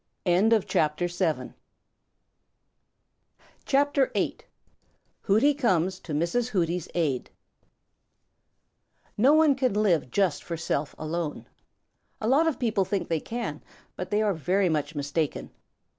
CHAPTER VIII: Hooty Comes To Mrs. Hooty's Aid No one can live just for self alone. A lot of people think they can, but they are very much mistaken.